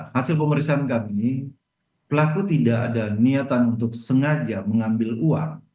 hasil pemeriksaan kami pelaku tidak ada niatan untuk sengaja mengambil uang